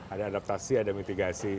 ada adaptasi ada mitigasi